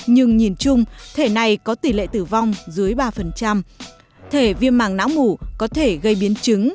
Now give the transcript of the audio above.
nhưng nhìn chung thể này có tỷ lệ tử vong dưới ba thể viêm mạng não ngủ có thể gây biến trứng